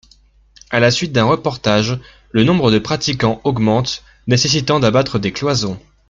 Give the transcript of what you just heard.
À la suite d'un reportage, le nombre de pratiquants augmente, nécessitant d'abattre des cloisons.